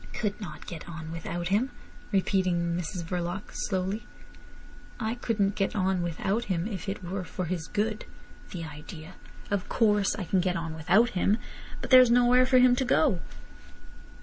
"Could not get on without him!" repeated Mrs Verloc slowly. "I couldn't get on without him if it were for his good! The idea! Of course, I can get on without him. But there's nowhere for him to go."